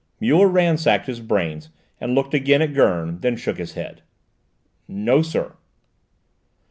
Muller ransacked his brains and looked again at Gurn, then shook his head. "No, sir."